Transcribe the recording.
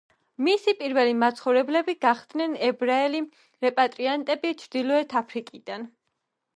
მისი პირველი მაცხოვრებლები გახდნენ ებრაელი რეპატრიანტები ჩრდილოეთ აფრიკიდან.